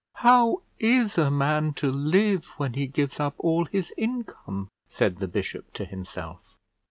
"How is a man to live, when he gives up all his income?" said the bishop to himself.